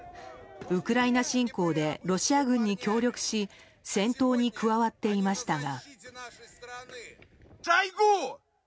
ウクライナ侵攻でロシア軍に協力し戦闘に加わっていましたが。